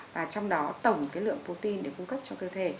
và trong đó tổng lượng protein để cung cấp cho cơ thể